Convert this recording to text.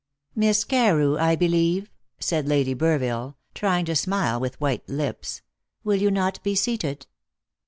"Miss Carew, I believe?" said Lady Burville, trying to smile with white lips. "Will you not be seated?"